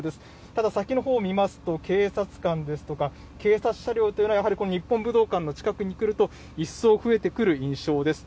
ただ、先のほう見ますと、警察官ですとか、警察車両というのは、やはり日本武道館の近くに来ると、一層増えてくる印象です。